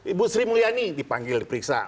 ibu sri mulyani dipanggil diperiksa